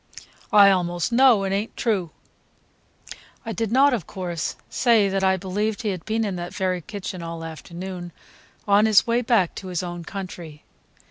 "I almost know it is n't true." I did not, of course, say that I believed he had been in that very kitchen all afternoon, on his way back to his own country.